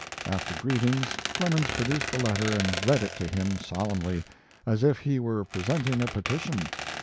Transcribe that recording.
After greetings, Clemens produced the letter and read it to him solemnly, as if he were presenting a petition.